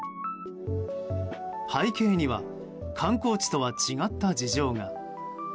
背景には観光地とは違った事情が。